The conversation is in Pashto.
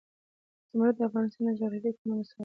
زمرد د افغانستان د جغرافیوي تنوع مثال دی.